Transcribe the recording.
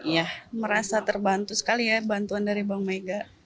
ya merasa terbantu sekali ya bantuan dari bank mega